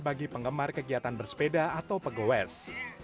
bagi penggemar kegiatan bersepeda atau pegoes